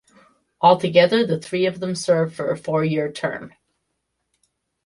Altogether, the three of them serve for a four year term.